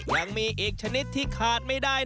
ยังมีอีกชนิดที่ขาดไม่ได้